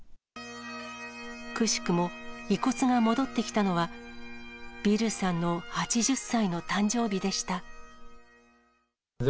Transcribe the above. くしくも遺骨が戻ってきたのは、ビルさんの８０歳の誕生日でした。